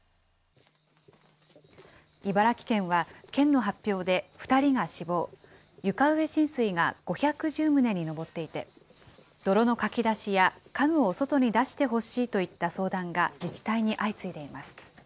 茨城県は県の発表で２人が死亡、床上浸水が５１０棟に上っていて、泥のかき出しや家具を外に出してほしいといった相談が自治体に相次いでいます。